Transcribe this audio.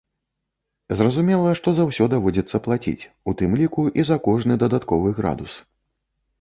Зразумела, што за ўсё даводзіцца плаціць, у тым ліку і за кожны дадатковы градус.